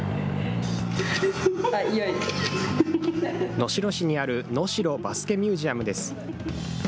能代市にある能代バスケミュージアムです。